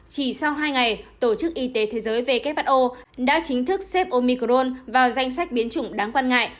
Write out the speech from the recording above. chỉ sau hai ngày tổ chức y tế thế giới who đã chính thức xếp omicron vào danh sách biến chủng đáng quan ngại